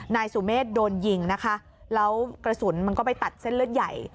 นายสุเมฆโดนยิงนะคะแล้วกระสุนมันก็ไปตัดเส้นเลือดใหญ่